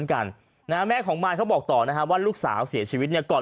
กันนะแม่ของมายเขาบอกต่อนะฮะว่าลูกสาวเสียชีวิตเนี่ยก่อน